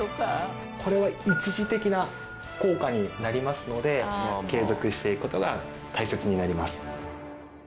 これは一時的な効果になりますので継続していくことが大切になります。